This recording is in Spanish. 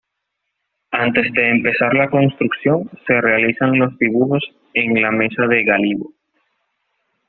Antes de empezar la construcción, se realizan los dibujos en la mesa de gálibo.